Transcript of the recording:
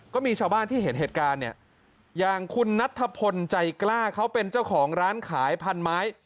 ก็มีชาวบ้านที่เห็นเหตุการณ์เนี่ยอย่างคุณนัทธพลใจกล้าเขาเป็นเจ้าของร้านขายพันไม้